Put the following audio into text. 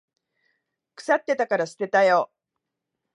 腐ってたから捨てたよ。